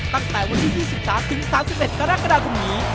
ตั้งแต่วันที่๒๓๓๑กรกฎาคมนี้